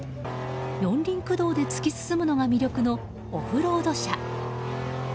四輪駆動で突き進むのが魅力のオフロード車。